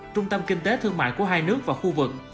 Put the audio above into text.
trung tâm kinh tế thương mại của hai nước và khu vực